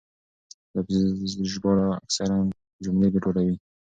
لفظي ژباړه اکثراً جملې ګډوډوي.